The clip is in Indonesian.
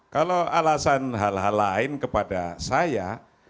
kalau alasan hal hal lain kepada saya